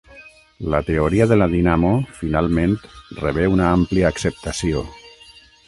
La teoria de la dinamo finalment rebé una àmplia acceptació.